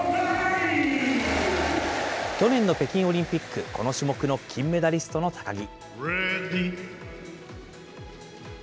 去年の北京オリンピック、この種目の金メダリストの高木。